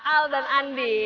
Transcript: al dan andi